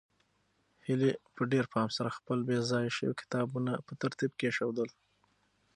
هیلې په ډېر پام سره خپل بې ځایه شوي کتابونه په ترتیب کېښودل.